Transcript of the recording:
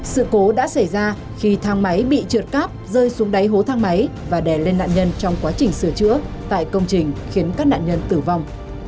sự cố đã xảy ra khi thang máy bị trượt cáp rơi xuống đáy hố thang máy và đè lên nạn nhân trong quá trình sửa chữa tại công trình khiến các nạn nhân tử vong